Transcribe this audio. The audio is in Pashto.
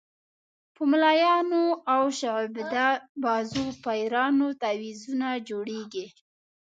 په ملایانو او شعبده بازو پیرانو تعویضونه جوړېږي.